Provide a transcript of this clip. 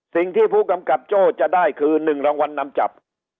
สิ่งที่ผู้กำกับโจ้จะได้คือ๑รางวัลนำจับ